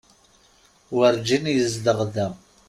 Werǧin yezdeɣ da.